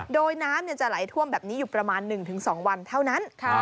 โดยน้ำจะไหลท่วมแบบนี้อยู่ประมาณ๑๒วันเท่านั้น